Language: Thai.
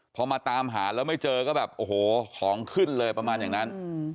พอมาตามหาแล้วไม่เจอก็แบบโอ้โหของขึ้นเลยประมาณอย่างนั้น